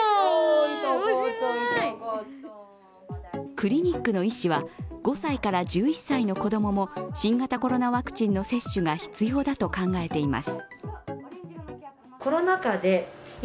クリニックの医師は５１１歳の子供も新型コロナワクチンの接種が必要だと考えています。